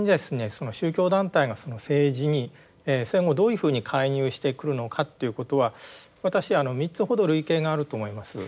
その宗教団体が政治に戦後どういうふうに介入してくるのかっていうことは私あの３つほど類型があると思います。